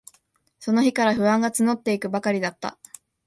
その日から、不安がつのっていくばかりだった。